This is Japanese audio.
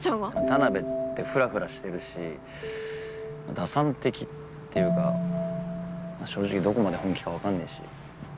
田辺ってフラフラしてるし打算的っていうか正直どこまで本気か分かんねえし。